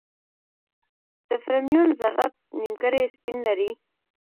د فرمیون ذرات نیمګړي سپین لري.